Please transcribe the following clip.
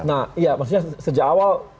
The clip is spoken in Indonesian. nah iya maksudnya sejak awal